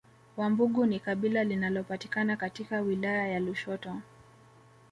Wambugu ni kabila linalopatikana katika wilaya ya Lushoto